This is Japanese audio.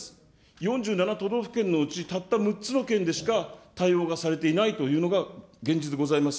４７都道府県のうち、たった６つの県でしか対応がされていないというのが現実でございます。